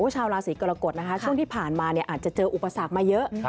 ชาวราศีกรกฎนะคะช่วงที่ผ่านมาอาจจะเจออุปสรรคมาเยอะ